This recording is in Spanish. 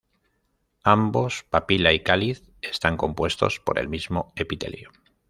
Ambos, papila y cáliz, están compuestos por el mismo epitelio.